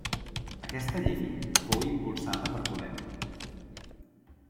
Aquesta llei fou impulsada per Podem.